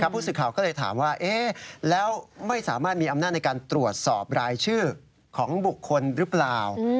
ผู้สื่อข่าวก็เลยถามว่าแล้วไม่สามารถมีอำนาจในการตรวจสอบรายชื่อของบุคคลหรือเปล่า